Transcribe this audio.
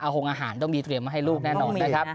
หงอาหารต้องมีเตรียมมาให้ลูกแน่นอนนะครับ